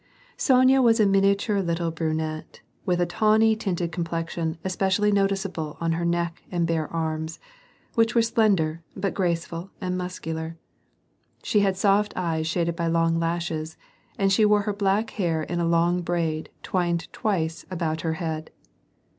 Sonya was a miniature little brunette, with a tawny tinted complexion especially noticeable on her neck and bare arms, which were slender, but graceful and muscular. She had soft eyes shaded by long lashes, and she wore her black liair in a long braid twined twice about her head.